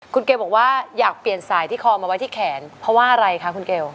คุณเกลบอกว่าอยากเปลี่ยนสายที่คอมาไว้ที่แขนเพราะว่าอะไรคะคุณเกล